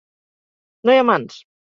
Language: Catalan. No hi ha mans!